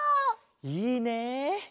いいねえ。